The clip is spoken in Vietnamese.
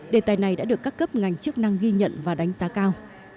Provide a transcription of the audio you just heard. đề tài này đã được các cấp ngành chức năng ghi nhận và đánh giá cao